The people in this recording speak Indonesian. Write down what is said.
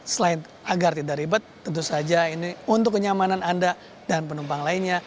selain agar tidak ribet tentu saja ini untuk kenyamanan anda dan penumpang lainnya